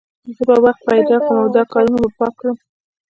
زه به وخت پیدا کړم او دا کارونه به پاک کړم